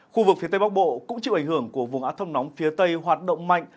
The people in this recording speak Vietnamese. khu vực phía tây bắc bộ cũng chịu ảnh hưởng của vùng át thâm nóng phía tây hoạt động mạnh